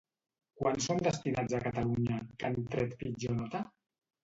Quants són destinats a Catalunya, que han tret pitjor nota?